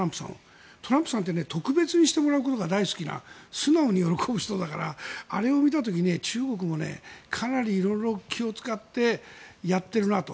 トランプさんって特別にしてもらうことが大好きな素直に喜ぶ人だからあれを見た時に中国もかなり色々気を使ってやっているなと。